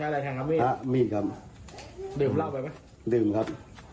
ดีมครับ